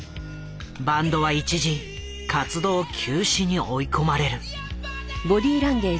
バンドは一時活動休止に追い込まれる。